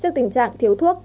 trước tình trạng thiếu thuốc